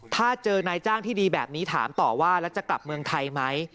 ถ้าเจอนายจ้างที่ดีแบบนี้ถามต่อว่าแล้วจะกลับเมืองไทยไหม